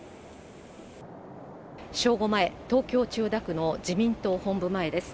正午前、東京・千代田区の自民党本部前です。